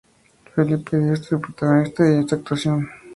Felipe Dieste es el protagonista y esta actuación es su debut en el cine.